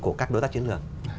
của các đối tác chiến lược